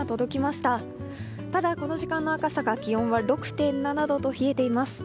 ただ、この時間の赤坂気温は６．７度と冷えています。